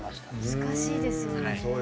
難しいですよね。